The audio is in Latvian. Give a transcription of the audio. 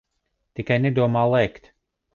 Tikai nedomā lēkt.